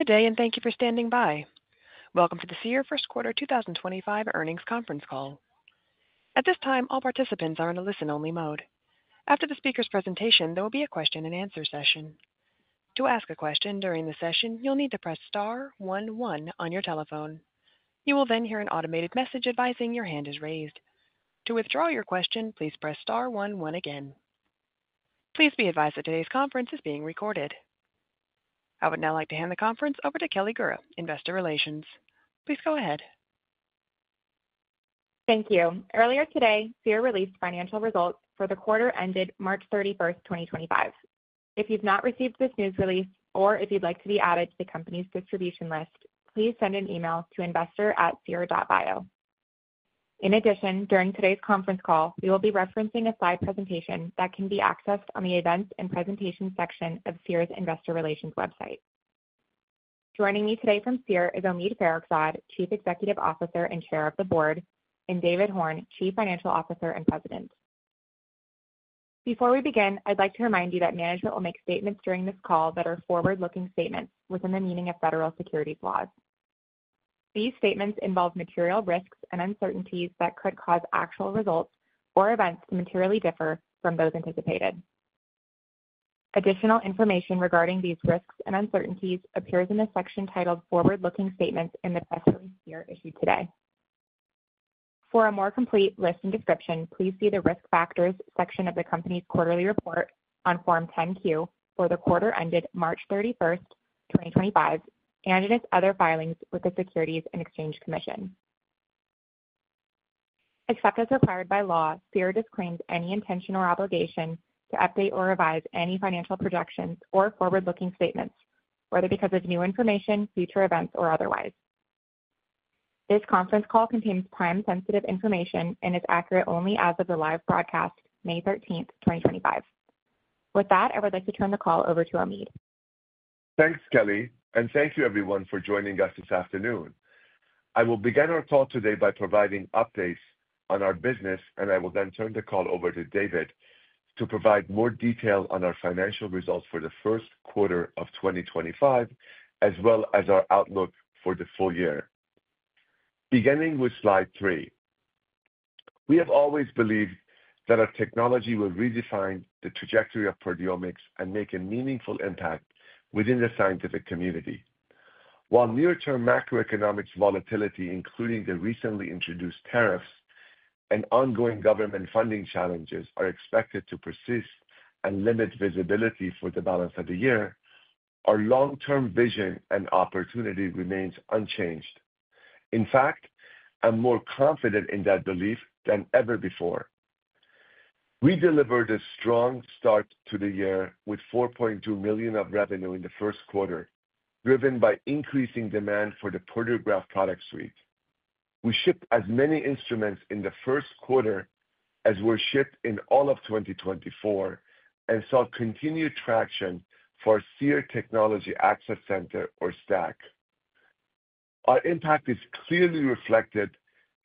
Today, and thank you for standing by. Welcome to the Seer First Quarter 2025 earnings conference call. At this time, all participants are in a listen-only mode. After the speaker's presentation, there will be a question-and-answer session. To ask a question during the session, you'll need to press star 11 on your telephone. You will then hear an automated message advising your hand is raised. To withdraw your question, please press star 11 again. Please be advised that today's conference is being recorded. I would now like to hand the conference over to Kelly Gura, Investor Relations. Please go ahead. Thank you. Earlier today, Seer released financial results for the quarter ended March 31st 2025. If you've not received this news release, or if you'd like to be added to the company's distribution list, please send an email to investor@seer.bio. In addition, during today's conference call, we will be referencing a slide presentation that can be accessed on the events and presentations section of Seer's Investor Relations website. Joining me today from Seer is Omid Farokhzad, Chief Executive Officer and Chair of the Board, and David Horn, Chief Financial Officer and President. Before we begin, I'd like to remind you that management will make statements during this call that are forward-looking statements within the meaning of federal securities laws. These statements involve material risks and uncertainties that could cause actual results or events to materially differ from those anticipated. Additional information regarding these risks and uncertainties appears in the section titled forward-looking statements in the Press Release Seer issued today. For a more complete list and description, please see the risk factors section of the company's quarterly report on Form 10Q for the quarter ended March 31st 2025, and in its other filings with the Securities and Exchange Commission. Except as required by law, Seer disclaims any intention or obligation to update or revise any financial projections or forward-looking statements, whether because of new information, future events, or otherwise. This conference call contains time-sensitive information and is accurate only as of the live broadcast, May 13, 2025. With that, I would like to turn the call over to Omid. Thanks, Kelly, and thank you, everyone, for joining us this afternoon. I will begin our talk today by providing updates on our business, and I will then turn the call over to David to provide more detail on our financial results for the first quarter of 2025, as well as our outlook for the full year. Beginning with slide three, we have always believed that our technology will redefine the trajectory of proteomics and make a meaningful impact within the scientific community. While near-term macroeconomic volatility, including the recently introduced tariffs and ongoing government funding challenges, are expected to persist and limit visibility for the balance of the year, our long-term vision and opportunity remains unchanged. In fact, I'm more confident in that belief than ever before. We delivered a strong start to the year with 4.2 million of revenue in the first quarter, driven by increasing demand for the Proteograph Product Suite. We shipped as many instruments in the first quarter as were shipped in all of 2024 and saw continued traction for our Seer Technology Access Center, or STAC. Our impact is clearly reflected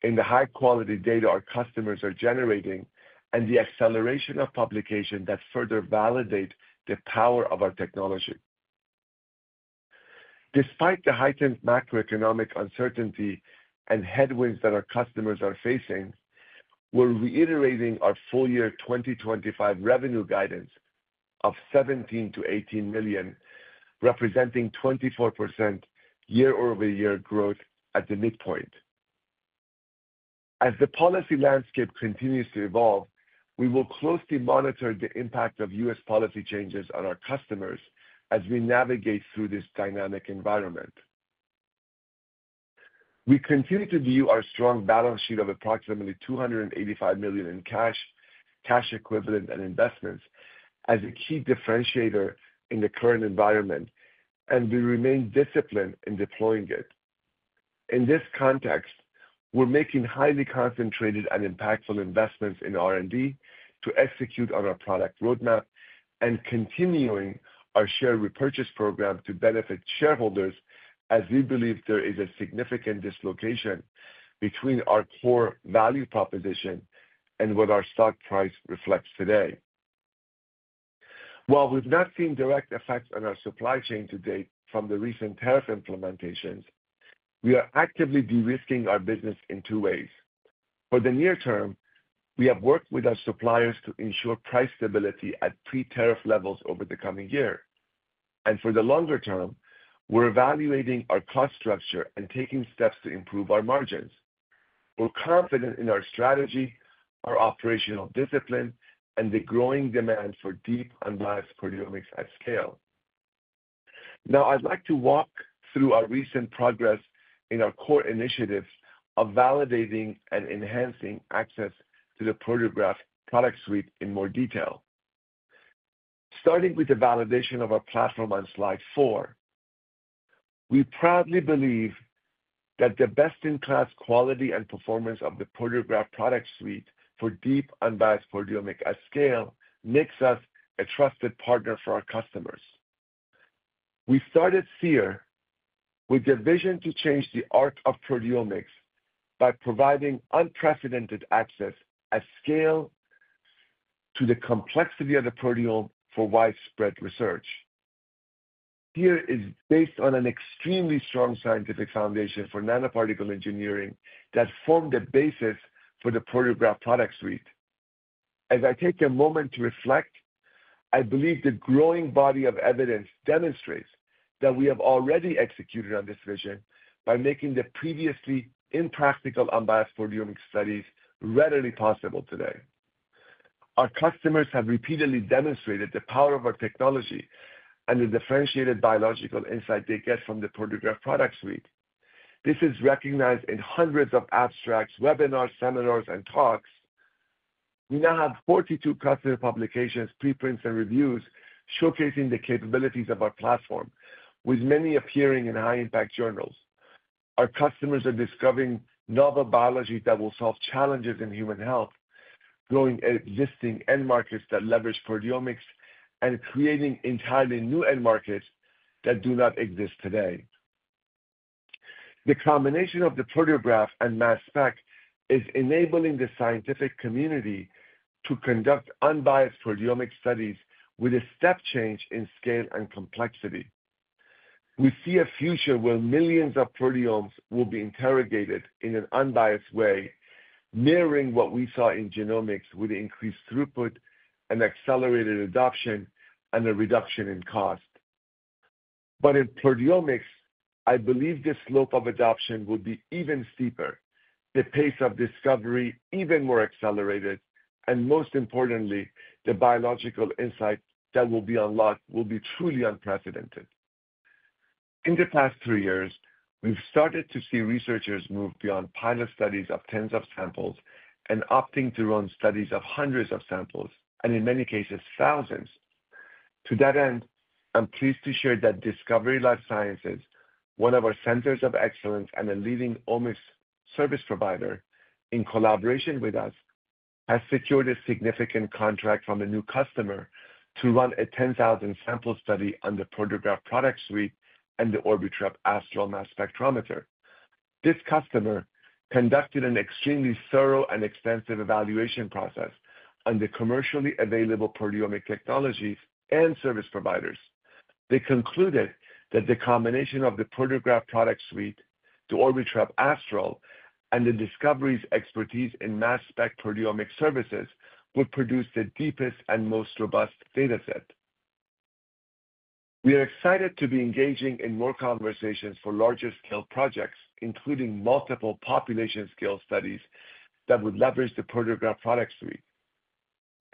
in the high-quality data our customers are generating and the acceleration of publication that further validates the power of our technology. Despite the heightened macroeconomic uncertainty and headwinds that our customers are facing, we're reiterating our full-year 2025 revenue guidance of $17 million-$18 million, representing 24% year-over-year growth at the midpoint. As the policy landscape continues to evolve, we will closely monitor the impact of U.S. policy changes on our customers as we navigate through this dynamic environment. We continue to view our strong balance sheet of approximately $285 million in cash, cash equivalent, and investments as a key differentiator in the current environment, and we remain disciplined in deploying it. In this context, we're making highly concentrated and impactful investments in R&D to execute on our product roadmap and continuing our share repurchase program to benefit shareholders as we believe there is a significant dislocation between our core value proposition and what our stock price reflects today. While we've not seen direct effects on our supply chain to date from the recent tariff implementations, we are actively de-risking our business in two ways. For the near term, we have worked with our suppliers to ensure price stability at pre-tariff levels over the coming year. For the longer term, we're evaluating our cost structure and taking steps to improve our margins. We're confident in our strategy, our operational discipline, and the growing demand for deep and mass proteomics at scale. Now, I'd like to walk through our recent progress in our core initiatives of validating and enhancing access to the Proteograph Product Suite in more detail. Starting with the validation of our platform on slide four, we proudly believe that the best-in-class quality and performance of the Proteograph Product Suite for deep and mass proteomics at scale makes us a trusted partner for our customers. We started Seer with the vision to change the arc of proteomics by providing unprecedented access at scale to the complexity of the proteome for widespread research. Seer is based on an extremely strong scientific foundation for nanoparticle engineering that formed the basis for the Proteograph Product Suite. As I take a moment to reflect, I believe the growing body of evidence demonstrates that we have already executed on this vision by making the previously impractical unbiased proteomics studies readily possible today. Our customers have repeatedly demonstrated the power of our technology and the differentiated biological insight they get from the Proteograph Product Suite. This is recognized in hundreds of abstracts, webinars, seminars, and talks. We now have 42 customer publications, preprints, and reviews showcasing the capabilities of our platform, with many appearing in high-impact journals. Our customers are discovering novel biologies that will solve challenges in human health, growing existing end markets that leverage proteomics, and creating entirely new end markets that do not exist today. The combination of the Proteograph and mass spec is enabling the scientific community to conduct unbiased proteomics studies with a step change in scale and complexity. We see a future where millions of proteomes will be interrogated in an unbiased way, mirroring what we saw in genomics with increased throughput and accelerated adoption and a reduction in cost. In proteomics, I believe this slope of adoption will be even steeper, the pace of discovery even more accelerated, and most importantly, the biological insight that will be unlocked will be truly unprecedented. In the past three years, we've started to see researchers move beyond pilot studies of tens of samples and opting to run studies of hundreds of samples, and in many cases, thousands. To that end, I'm pleased to share that Discovery Life Sciences, one of our centers of excellence and a leading omics service provider, in collaboration with us, has secured a significant contract from a new customer to run a 10,000-sample study on the Proteograph Product Suite and the Orbitrap Astral Mass Spectrometer. This customer conducted an extremely thorough and extensive evaluation process on the commercially available proteomic technologies and service providers. They concluded that the combination of the Proteograph Product Suite, the Orbitrap Astral, and Discovery's expertise in mass spec proteomic services would produce the deepest and most robust data set. We are excited to be engaging in more conversations for larger-scale projects, including multiple population-scale studies that would leverage the Proteograph Product Suite.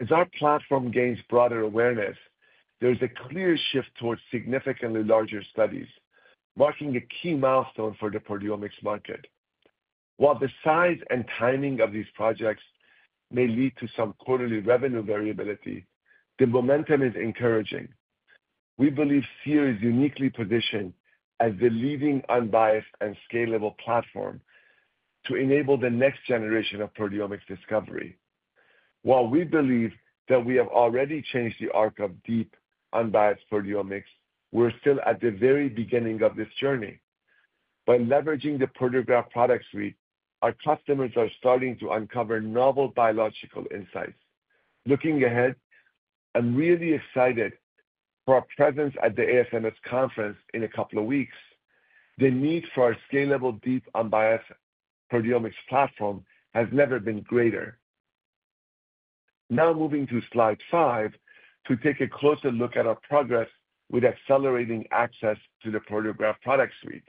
As our platform gains broader awareness, there is a clear shift towards significantly larger studies, marking a key milestone for the proteomics market. While the size and timing of these projects may lead to some quarterly revenue variability, the momentum is encouraging. We believe Seer is uniquely positioned as the leading unbiased and scalable platform to enable the next generation of proteomics discovery. While we believe that we have already changed the arc of deep unbiased proteomics, we're still at the very beginning of this journey. By leveraging the Proteograph Product Suite, our customers are starting to uncover novel biological insights. Looking ahead, I'm really excited for our presence at the ASMS conference in a couple of weeks. The need for our scalable deep unbiased proteomics platform has never been greater. Now moving to slide five to take a closer look at our progress with accelerating access to the Proteograph Product Suite.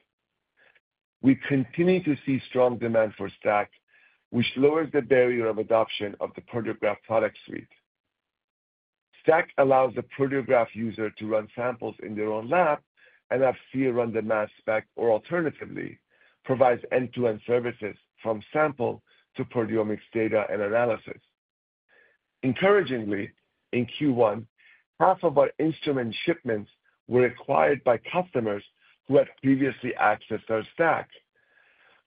We continue to see strong demand for STAC, which lowers the barrier of adoption of the Proteograph Product Suite. STAC allows the Proteograph user to run samples in their own lab and have Seer run the mass spec, or alternatively, provides end-to-end services from sample to proteomics data and analysis. Encouragingly, in Q1, half of our instrument shipments were acquired by customers who had previously accessed our STAC,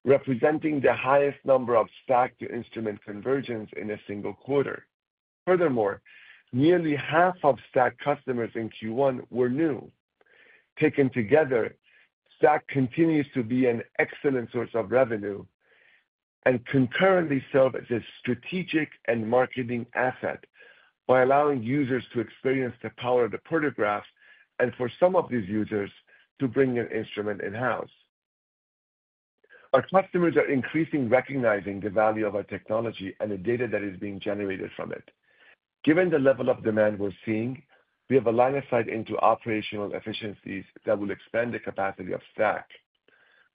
representing the highest number of STAC to instrument conversions in a single quarter. Furthermore, nearly half of STAC customers in Q1 were new. Taken together, STAC continues to be an excellent source of revenue and concurrently serves as a strategic and marketing asset by allowing users to experience the power of the Proteograph and, for some of these users, to bring an instrument in-house. Our customers are increasingly recognizing the value of our technology and the data that is being generated from it. Given the level of demand we're seeing, we have aligned our site into operational efficiencies that will expand the capacity of STAC.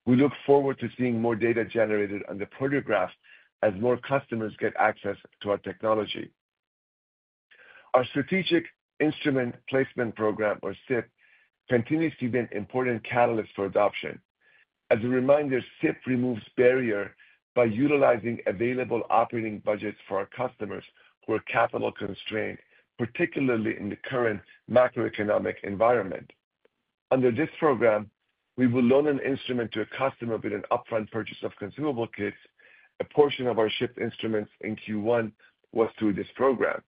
We look forward to seeing more data generated on the Proteograph as more customers get access to our technology. Our Strategic Instrument Placement Program, or SIP, continues to be an important catalyst for adoption. As a reminder, SIP removes barrier by utilizing available operating budgets for our customers who are capital constrained, particularly in the current macroeconomic environment. Under this program, we will loan an instrument to a customer with an upfront purchase of consumable kits. A portion of our shipped instruments in Q1 was through this program.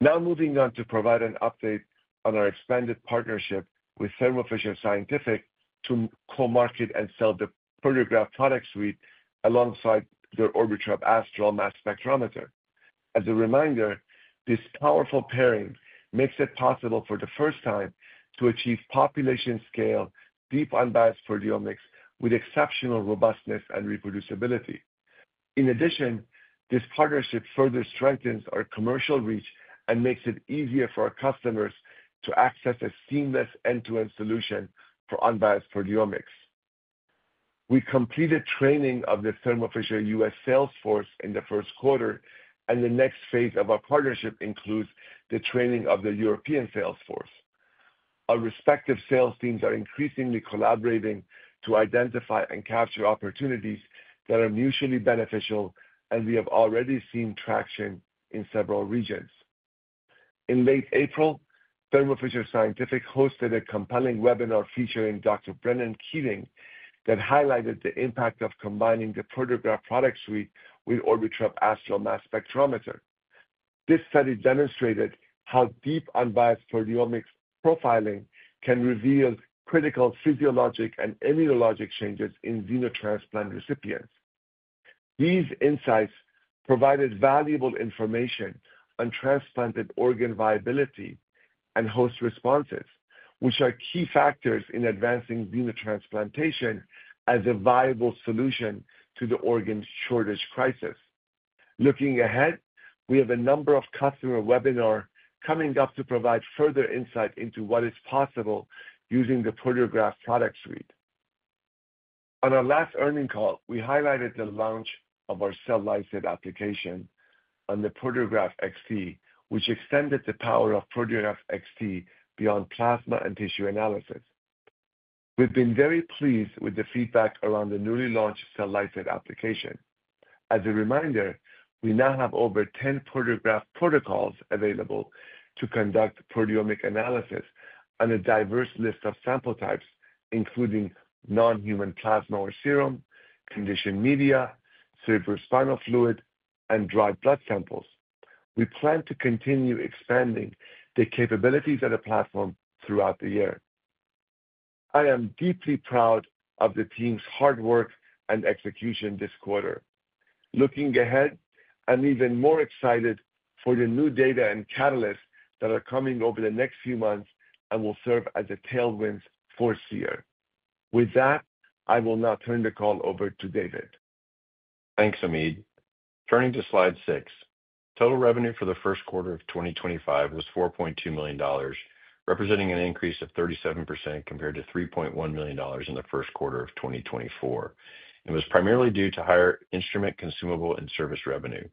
Now moving on to provide an update on our expanded partnership with Thermo Fisher Scientific to co-market and sell the Proteograph Product Suite alongside their Orbitrap Astral Mass Spectrometer. As a reminder, this powerful pairing makes it possible for the first time to achieve population-scale deep unbiased proteomics with exceptional robustness and reproducibility. In addition, this partnership further strengthens our commercial reach and makes it easier for our customers to access a seamless end-to-end solution for unbiased proteomics. We completed training of the Thermo Fisher U.S. Salesforce in the first quarter, and the next phase of our partnership includes the training of the European Salesforce. Our respective sales teams are increasingly collaborating to identify and capture opportunities that are mutually beneficial, and we have already seen traction in several regions. In late April, Thermo Fisher Scientific hosted a compelling webinar featuring Dr. Brendan Keating that highlighted the impact of combining the Proteograph Product Suite with Orbitrap Astral Mass Spectrometer. This study demonstrated how deep unbiased proteomics profiling can reveal critical physiologic and immunologic changes in xenotransplant recipients. These insights provided valuable information on transplanted organ viability and host responses, which are key factors in advancing xenotransplantation as a viable solution to the organ shortage crisis. Looking ahead, we have a number of customer webinar coming up to provide further insight into what is possible using the Proteograph Product Suite. On our last earnings call, we highlighted the launch of our cell-license application on the Proteograph XT, which extended the power of Proteograph XT beyond plasma and tissue analysis. We've been very pleased with the feedback around the newly launched cell-license application. As a reminder, we now have over 10 Proteograph protocols available to conduct proteomic analysis on a diverse list of sample types, including non-human plasma or serum, conditioned media, cerebrospinal fluid, and dried blood samples. We plan to continue expanding the capabilities of the platform throughout the year. I am deeply proud of the team's hard work and execution this quarter. Looking ahead, I'm even more excited for the new data and catalysts that are coming over the next few months and will serve as a tailwind for Seer. With that, I will now turn the call over to David. Thanks, Omid. Turning to slide six, total revenue for the first quarter of 2025 was $4.2 million, representing an increase of 37% compared to $3.1 million in the first quarter of 2024. It was primarily due to higher instrument, consumable, and service revenue.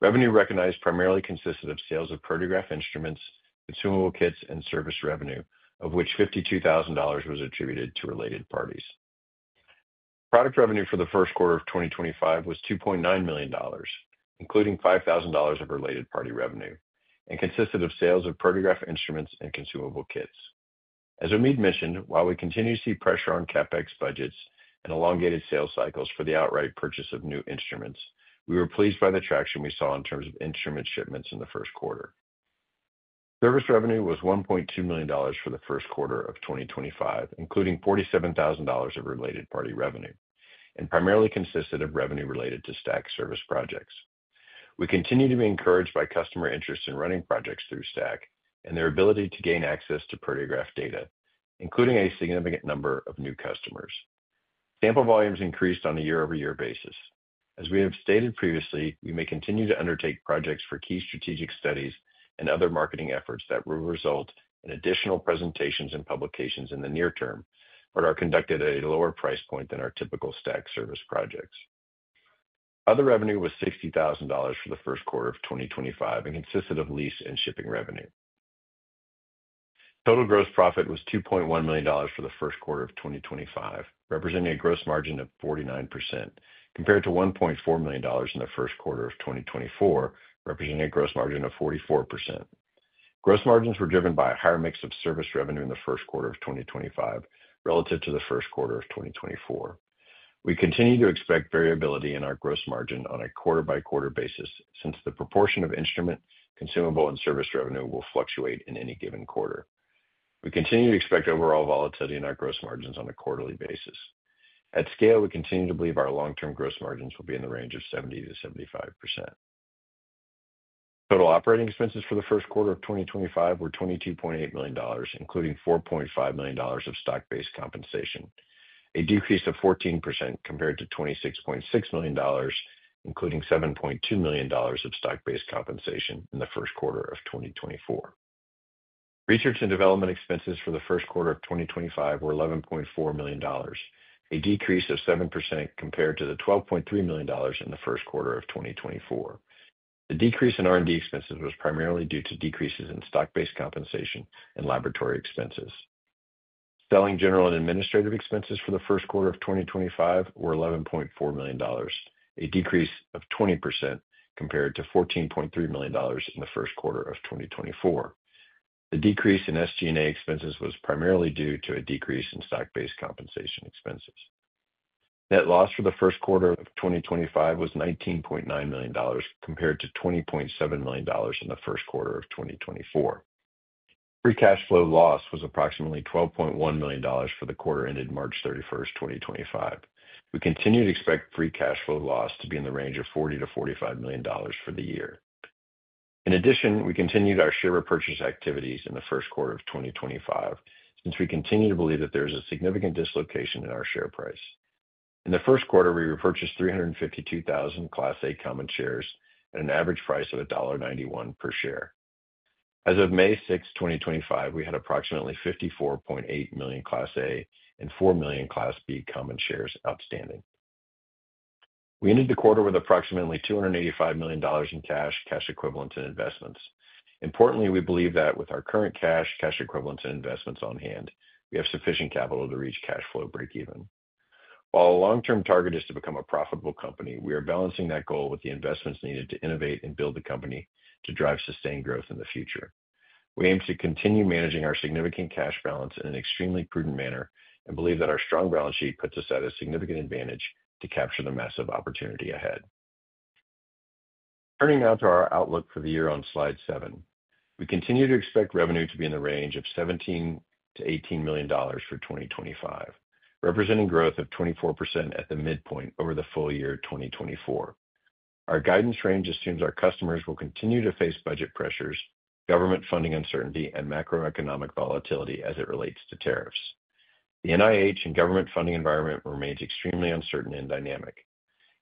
Revenue recognized primarily consisted of sales of Proteograph instruments, consumable kits, and service revenue, of which $52,000 was attributed to related parties. Product revenue for the first quarter of 2025 was $2.9 million, including $5,000 of related party revenue, and consisted of sales of Proteograph instruments and consumable kits. As Omid mentioned, while we continue to see pressure on CapEx budgets and elongated sales cycles for the outright purchase of new instruments, we were pleased by the traction we saw in terms of instrument shipments in the first quarter. Service revenue was $1.2 million for the first quarter of 2025, including $47,000 of related party revenue, and primarily consisted of revenue related to STAC service projects. We continue to be encouraged by customer interest in running projects through STAC and their ability to gain access to Proteograph data, including a significant number of new customers. Sample volumes increased on a year-over-year basis. As we have stated previously, we may continue to undertake projects for key strategic studies and other marketing efforts that will result in additional presentations and publications in the near-term, but are conducted at a lower price point than our typical STAC service projects. Other revenue was $60,000 for the first quarter of 2025 and consisted of lease and shipping revenue. Total gross profit was $2.1 million for the first quarter of 2025, representing a gross margin of 49%, compared to $1.4 million in the first quarter of 2024, representing a gross margin of 44%. Gross margins were driven by a higher mix of service revenue in the first quarter of 2025 relative to the first quarter of 2024. We continue to expect variability in our gross margin on a quarter-by-quarter basis since the proportion of instrument, consumable, and service revenue will fluctuate in any given quarter. We continue to expect overall volatility in our gross margins on a quarterly basis. At scale, we continue to believe our long-term gross margins will be in the range of 70%-75%. Total operating expenses for the first quarter of 2025 were $22.8 million, including $4.5 million of stock-based compensation, a decrease of 14% compared to $26.6 million, including $7.2 million of stock-based compensation in the first quarter of 2024. Research and development expenses for the first quarter of 2025 were $11.4 million, a decrease of 7% compared to the $12.3 million in the first quarter of 2024. The decrease in R&D expenses was primarily due to decreases in stock-based compensation and laboratory expenses. Selling, general and administrative expenses for the first quarter of 2025 were $11.4 million, a decrease of 20% compared to $14.3 million in the first quarter of 2024. The decrease in SG&A expenses was primarily due to a decrease in stock-based compensation expenses. Net loss for the first quarter of 2025 was $19.9 million compared to $20.7 million in the first quarter of 2024. Free cash flow loss was approximately $12.1 million for the quarter ended March 31st 2025. We continue to expect free cash flow loss to be in the range of $40 million-$45 million for the year. In addition, we continued our share repurchase activities in the first quarter of 2025 since we continue to believe that there is a significant dislocation in our share price. In the first quarter, we repurchased 352,000 Class A common shares at an average price of $1.91 per share. As of May 6, 2025, we had approximately 54.8 million Class A and four million Class B common shares outstanding. We ended the quarter with approximately $285 million in cash, cash equivalents, and investments. Importantly, we believe that with our current cash, cash equivalents, and investments on hand, we have sufficient capital to reach cash flow break-even. While our long-term target is to become a profitable company, we are balancing that goal with the investments needed to innovate and build the company to drive sustained growth in the future. We aim to continue managing our significant cash balance in an extremely prudent manner and believe that our strong balance sheet puts us at a significant advantage to capture the massive opportunity ahead. Turning now to our outlook for the year on slide seven, we continue to expect revenue to be in the range of $17 million-$18 million for 2025, representing growth of 24% at the midpoint over the full year 2024. Our guidance range assumes our customers will continue to face budget pressures, government funding uncertainty, and macroeconomic volatility as it relates to tariffs. The NIH and government funding environment remains extremely uncertain and dynamic.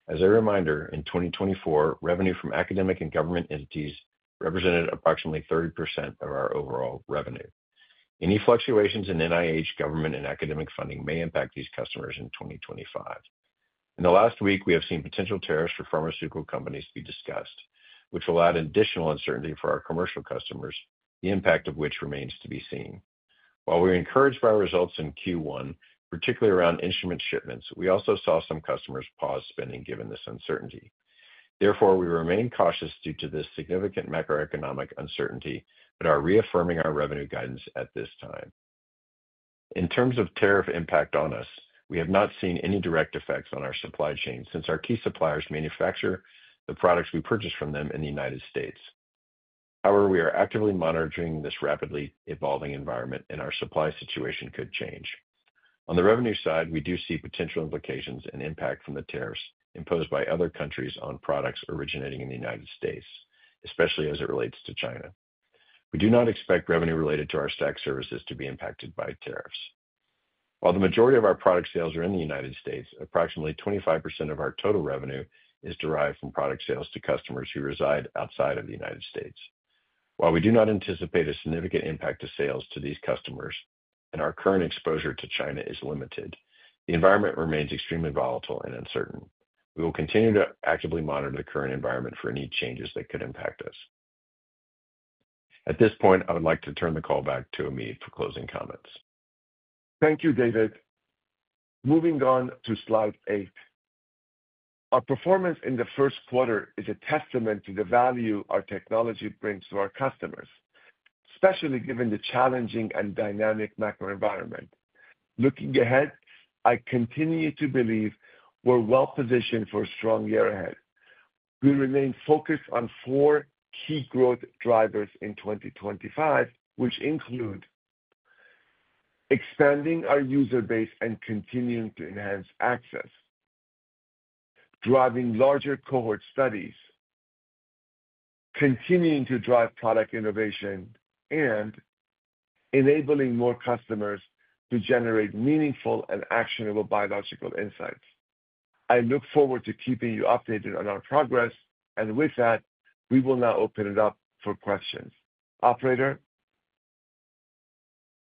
As a reminder, in 2024, revenue from academic and government entities represented approximately 30% of our overall revenue. Any fluctuations in NIH, government, and academic funding may impact these customers in 2025. In the last week, we have seen potential tariffs for pharmaceutical companies be discussed, which will add additional uncertainty for our commercial customers, the impact of which remains to be seen. While we were encouraged by our results in Q1, particularly around instrument shipments, we also saw some customers pause spending given this uncertainty. Therefore, we remain cautious due to this significant macroeconomic uncertainty, but are reaffirming our revenue guidance at this time. In terms of tariff impact on us, we have not seen any direct effects on our supply chain since our key suppliers manufacture the products we purchase from them in the United States. However, we are actively monitoring this rapidly evolving environment, and our supply situation could change. On the revenue side, we do see potential implications and impact from the tariffs imposed by other countries on products originating in the United States, especially as it relates to China. We do not expect revenue related to our STAC services to be impacted by tariffs. While the majority of our product sales are in the United States, approximately 25% of our total revenue is derived from product sales to customers who reside outside of the United States. While we do not anticipate a significant impact of sales to these customers and our current exposure to China is limited, the environment remains extremely volatile and uncertain. We will continue to actively monitor the current environment for any changes that could impact us. At this point, I would like to turn the call back to Omid for closing comments. Thank you, David. Moving on to slide eight. Our performance in the first quarter is a testament to the value our technology brings to our customers, especially given the challenging and dynamic macro environment. Looking ahead, I continue to believe we're well positioned for a strong year ahead. We remain focused on four key growth drivers in 2025, which include expanding our user base and continuing to enhance access, driving larger-cohort studies, continuing to drive product innovation, and enabling more customers to generate meaningful and actionable biological insights. I look forward to keeping you updated on our progress, and with that, we will now open it up for questions. Operator.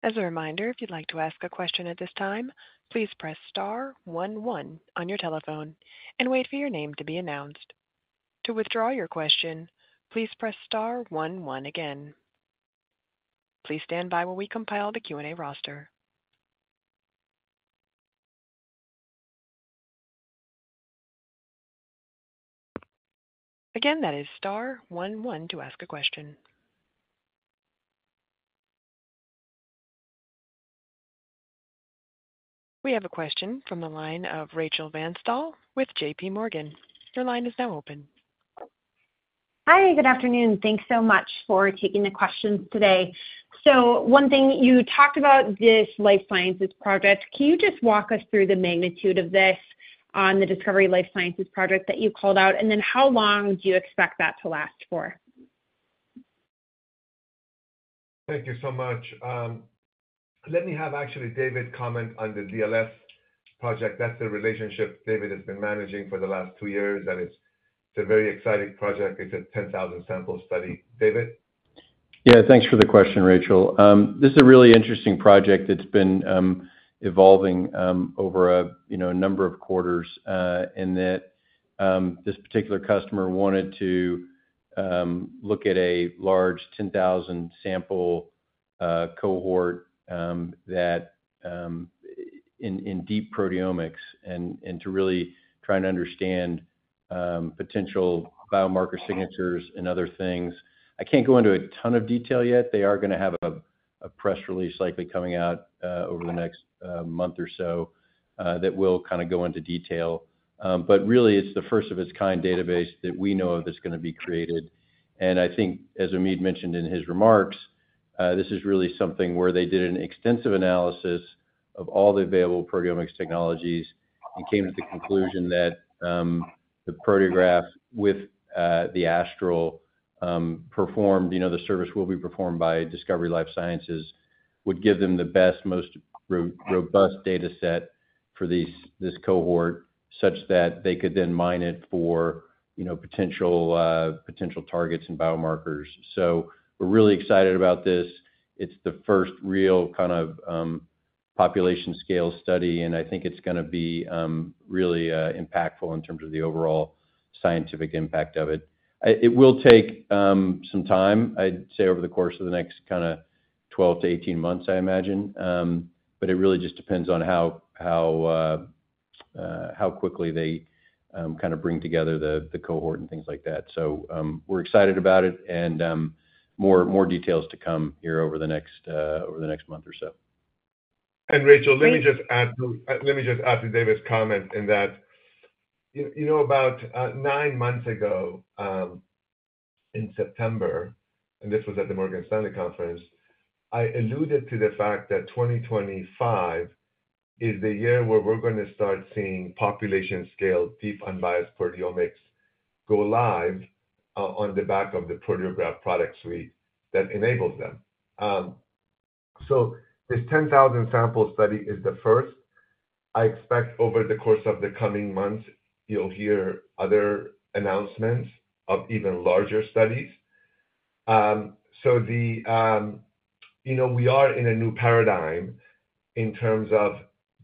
As a reminder, if you'd like to ask a question at this time, please press star 11 on your telephone and wait for your name to be announced. To withdraw your question, please press star 11 again. Please stand by while we compile the Q&A roster. Again, that is star 11 to ask a question. We have a question from the line of Rachel Vatnsdal with JP Morgan. Your line is now open. Hi, good afternoon. Thanks so much for taking the questions today. So one thing, you talked about this life sciences project. Can you just walk us through the magnitude of this on the Discovery Life Sciences project that you called out, and then how long do you expect that to last for? Thank you so much. Let me have actually David comment on the DLS project. That's the relationship David has been managing for the last two years, and it's a very exciting project. It's a 10,000 sample study. David? Yeah, thanks for the question, Rachel. This is a really interesting project that's been evolving over a number of quarters in that this particular customer wanted to look at a large 10,000 sample cohort in deep proteomics and to really try and understand potential biomarker signatures and other things. I can't go into a ton of detail yet. They are going to have a press release likely coming out over the next month or so that will kind of go into detail. Really, it's the first of its kind database that we know of that's going to be created. I think, as Omid mentioned in his remarks, this is really something where they did an extensive analysis of all the available proteomics technologies and came to the conclusion that the Proteograph with the Astral performed, the service will be performed by Discovery Life Sciences, would give them the best, most robust data set for this cohort such that they could then mine it for potential targets and biomarkers. We're really excited about this. It's the first real kind of population-scale study, and I think it's going to be really impactful in terms of the overall scientific impact of it. It will take some time, I'd say, over the course of the next 12-18 months, I imagine. It really just depends on how quickly they bring together the cohort and things like that. We're excited about it, and more details to come here over the next month or so. Rachel, let me just add to David's comment in that about nine months ago in September, and this was at the Morgan Stanley Conference, I alluded to the fact that 2025 is the year where we're going to start seeing population-scale deep unbiased proteomics go live on the back of the Proteograph Product Suite that enables them. This 10,000 sample study is the first. I expect over the course of the coming months, you'll hear other announcements of even larger studies. We are in a new paradigm in terms of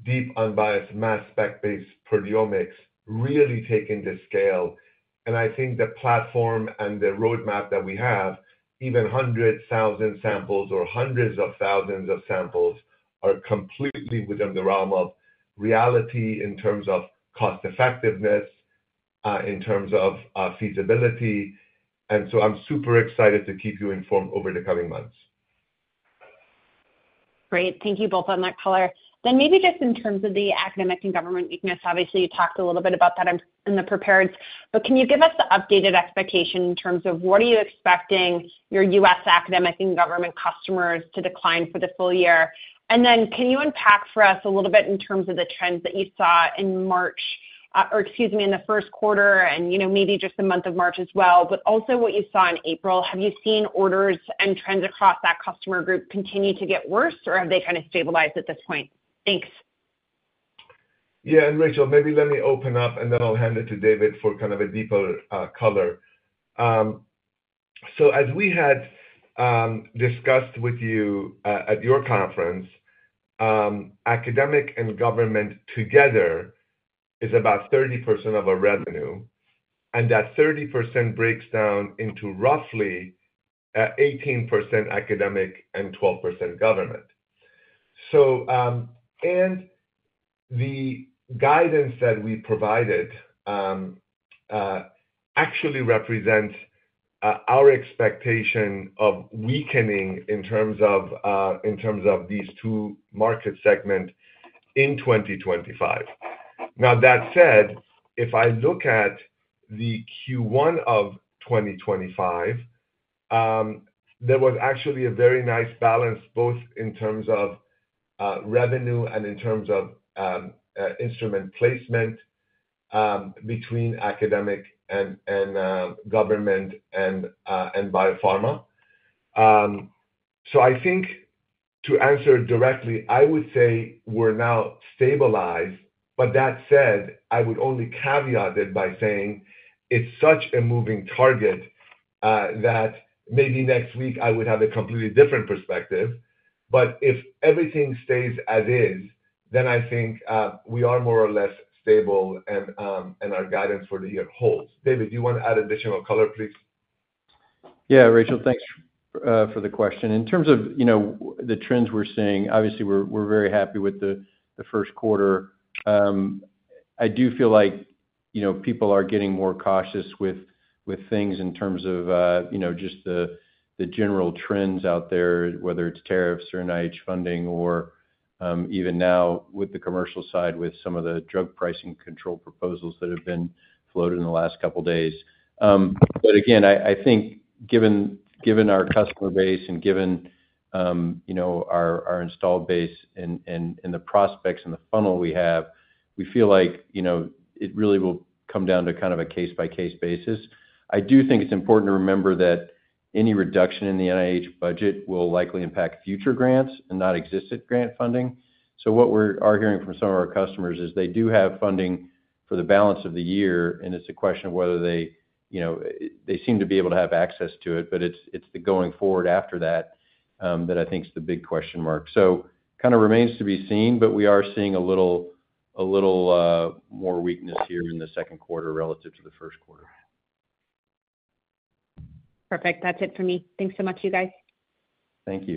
deep unbiased mass spec-based proteomics really taking the scale. I think the platform and the roadmap that we have, even hundreds, thousands of samples or hundreds of thousands of samples, are completely within the realm of reality in terms of cost-effectiveness, in terms of feasibility. I am super excited to keep you informed over the coming months. Great. Thank you both on that color. Maybe just in terms of the academic and government weakness, obviously, you talked a little bit about that in the prepared. Can you give us the updated expectation in terms of what are you expecting your U.S. academic and government customers to decline for the full year? Can you unpack for us a little bit in terms of the trends that you saw in March or, excuse me, in the first quarter and maybe just the month of March as well, but also what you saw in April? Have you seen orders and trends across that customer group continue to get worse, or have they kind of stabilized at this point? Thanks. Yeah. And Rachel, maybe let me open up, and then I'll hand it to David for kind of a deeper color. As we had discussed with you at your conference, academic and government together is about 30% of our revenue, and that 30% breaks down into roughly 18% academic and 12% government. The guidance that we provided actually represents our expectation of weakening in terms of these two market segments in 2025. Now, that said, if I look at the Q1 of 2025, there was actually a very nice balance both in terms of revenue and in terms of instrument placement between academic and government and biopharma. I think to answer directly, I would say we're now stabilized. That said, I would only caveat it by saying it's such a moving target that maybe next week I would have a completely different perspective. If everything stays as is, then I think we are more or less stable, and our guidance for the year holds. David, do you want to add additional color, please? Yeah, Rachel, thanks for the question. In terms of the trends we're seeing, obviously, we're very happy with the first quarter. I do feel like people are getting more cautious with things in terms of just the general trends out there, whether it's tariffs or NIH funding or even now with the commercial side with some of the drug pricing control proposals that have been floated in the last couple of days. Again, I think given our customer base and given our installed base and the prospects and the funnel we have, we feel like it really will come down to kind of a case-by-case basis. I do think it's important to remember that any reduction in the NIH budget will likely impact future grants and not existent grant funding. What we are hearing from some of our customers is they do have funding for the balance of the year, and it's a question of whether they seem to be able to have access to it. It's the going forward after that that I think is the big question mark. It kind of remains to be seen, but we are seeing a little more weakness here in the second quarter relative to the first quarter. Perfect. That's it for me. Thanks so much, you guys. Thank you.